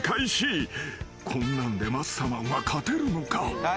［こんなんでマッサマンは勝てるのか？］